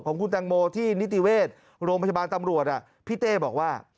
ของคุณแตงโมที่นิติเวชโรงพยาบาลตำรวจพี่เต้บอกว่า